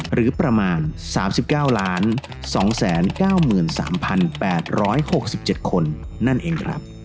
หรือประมาณสามสิบเก้าล้านสองแสนเก้าหมื่นสามพันแปดร้อยหกสิบเจ็ดคนนั่นเองครับ